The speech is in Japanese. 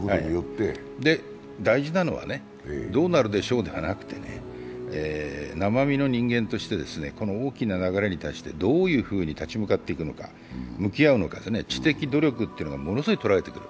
大事なのは、どうなるでしょうではなくて、生身の人間としてこの大きな流れに対してどう向き合うのか、知的努力がものすごく問われてくる。